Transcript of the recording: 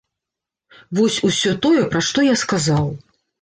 Вось усё тое, пра што я сказаў.